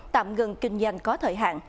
tạm gần kinh doanh có thời hạn